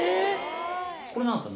これ何すか？